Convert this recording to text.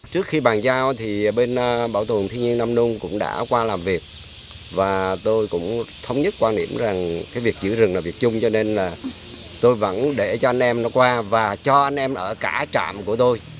trước khi bàn giao thì bên bảo tồn thiên nhiên nam nung cũng đã qua làm việc và tôi cũng thống nhất quan niệm rằng cái việc giữ rừng là việc chung cho nên là tôi vẫn để cho anh em nó qua và cho anh em ở cả trạm của tôi